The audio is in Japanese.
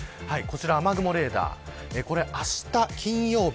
こちら雨雲レーダーはあした金曜日。